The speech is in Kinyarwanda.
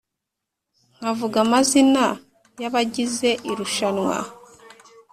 nkavuga amazina y’ abagize irushanwa,